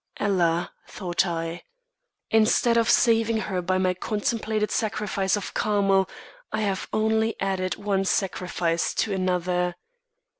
"Ella!" thought I. "Instead of saving her by my contemplated sacrifice of Carmel, I have only added one sacrifice to another."